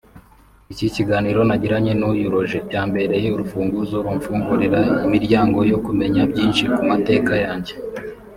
Iki kiganiro nagiranye n’uyu Roger cyambereye urufunguzo rumfungurira imiryango yo kumenya byinshi ku mateka yanjye